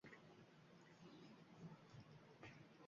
Tomoshabinlarni nihoyatda hurmat qilish, ularni sevish kerak.